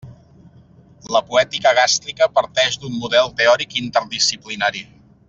La poètica gàstrica parteix d'un model teòric interdisciplinari.